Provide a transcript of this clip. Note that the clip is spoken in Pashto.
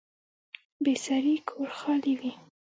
بې سړي کور خالي وي